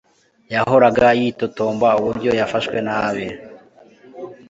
Yahoraga yitotombera uburyo yafashwe nabi